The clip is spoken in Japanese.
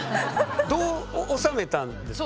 どう収めたんですか？